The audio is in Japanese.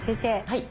はい。